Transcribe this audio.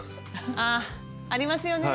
あっありますよね。